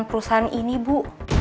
perusahaan ini bu